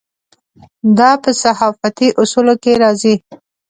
دا په صحافتي اصولو کې راځي.